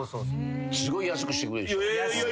すごい安くしてくれるでしょ。